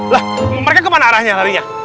lah mereka kemana arahnya larinya